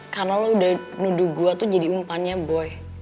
karena anda sudah menuduh saya menjadi umpan boy